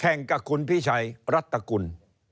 แข่งกับคุณพิชัยรัฐกุล